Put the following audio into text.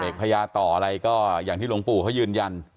พญาต่ออะไรก็อย่างที่หลวงปู่เขายืนยัน